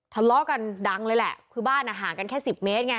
ทะเลาะกันดังเลยแหละคือบ้านอ่ะห่างกันแค่สิบเมตรไง